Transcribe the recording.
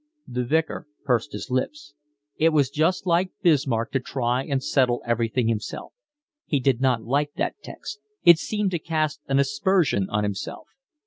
The Vicar pursed his lips. It was just like Bismarck to try and settle everything himself. He did not like that text; it seemed to cast an aspersion on himself.